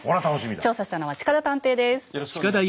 調査したのは近田探偵です。